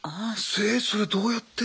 えそれどうやって？